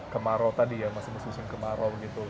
kemarau tadi ya masih musim kemarau gitu